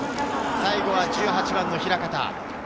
最後は１８番の平形。